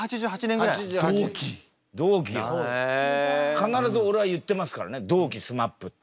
必ず俺は言ってますからね「同期ＳＭＡＰ」って。